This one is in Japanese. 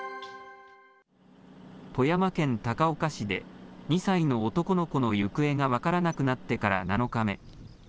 富山県高岡市で２歳の男の子の行方が分からなくなってから７日目。